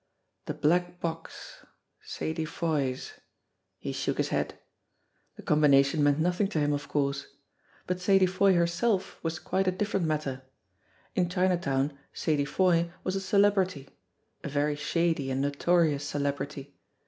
The black box! Sadie Foy's ! He shook his head. The combination meant nothing to him, of course. But Sadie Foy herself was quite a dif ferent matter. In Chinatown Sadie Foy was a celebrity a very shady and notorious celebrity.